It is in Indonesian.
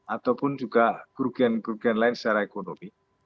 ataupun juga kerugian kerugian lain secara ekonomi